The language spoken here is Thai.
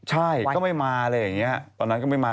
ใช่ก็ไม่มาอะไรอย่างนี้ตอนนั้นก็ไม่มา